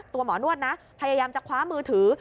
หมอนวดนะพยายามจะคว้ามือถือ